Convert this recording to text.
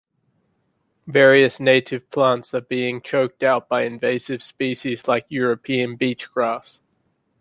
Various native plants are being choked out by invasive species like European beach grass.